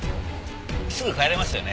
すぐ帰れますよね？